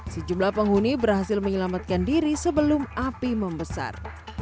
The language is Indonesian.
sejumlah penghuni berhasil menyelamatkan diri sebelum api membesar